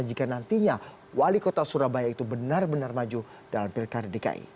jika nantinya wali kota surabaya itu benar benar maju dalam pilkada dki